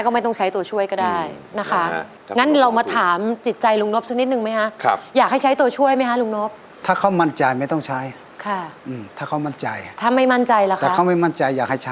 ก็ไม่ต้องใช้ตัวช่วยก็ได้นะคะ